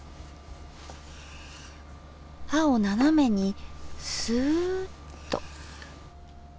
刃を斜めにすっと。